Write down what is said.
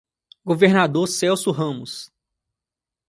Governador Celso Ramos